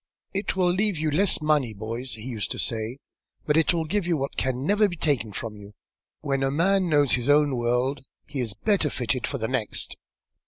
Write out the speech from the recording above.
'It will leave you less money, boys,' he used to say, 'but it will give what can never be taken from you. When a man knows his own world, he is better fitted for the next.'